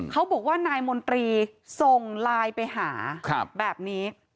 เขาบอกว่านายมนตรีส่งไลน์ไปหาแบบนี้